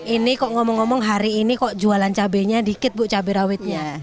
ini kok ngomong ngomong hari ini kok jualan cabainya dikit bu cabai rawitnya